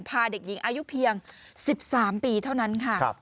พาเด็กหญิงอายุเพียง๑๓ปีเท่านั้นค่ะ